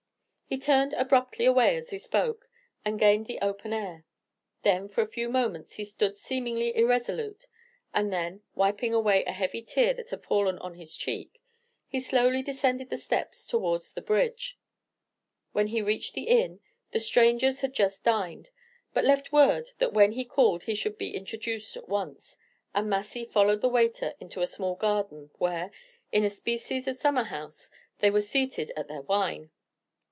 He turned abruptly away as he spoke, and gained the open air. There for a few moments he stood seemingly irresolute, and then, wiping away a heavy tear that had fallen on his cheek, he slowly descended the steps towards the bridge. When he reached the inn, the strangers had just dined, but left word that when he called he should be introduced at once, and Massy followed the waiter into a small garden, where, in a species of summer house, they were seated at their wine.